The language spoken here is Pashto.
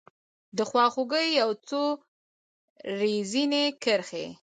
دخوا خوګۍ یو څو رزیني کرښې